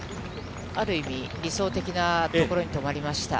ある意味、理想的な所に止まりました。